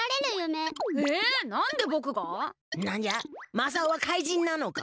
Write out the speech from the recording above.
まさおは怪人なのか？